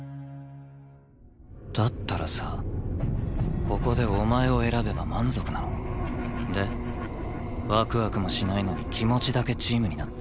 だったらさここでお前を選べば満足なの？でワクワクもしないのに気持ちだけチームになって。